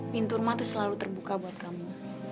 pintu rumah itu selalu terbuka buat kamu